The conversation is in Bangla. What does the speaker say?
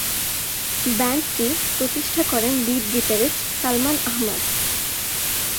ব্যান্ডটি প্রতিষ্ঠা করেন লিড গিটারিস্ট সালমান আহমাদ।